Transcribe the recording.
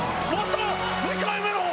２回目の！